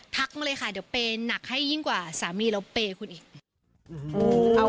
มาเลยค่ะเดี๋ยวเปย์หนักให้ยิ่งกว่าสามีเราเปย์คุณอีก